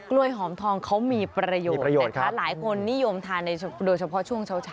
กล้วยหอมทองเขามีประโยชน์หลายคนนิยมทานโดยเฉพาะช่วงเช้าช้า